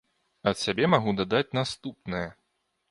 Ад сябе магу дадаць наступнае.